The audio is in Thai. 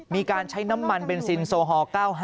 มีการใช้น้ำมันเบนซินโซฮอล๙๕